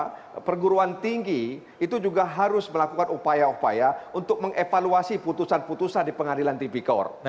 saya pikir juga perguruan tinggi itu juga harus melakukan upaya upaya untuk mengevaluasi putusan putusan di pengadilan tpkor